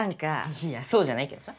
いやそうじゃないけどさ。